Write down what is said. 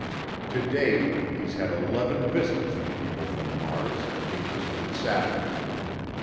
To date, he's had eleven visits from people from Mars, Venus and Saturn.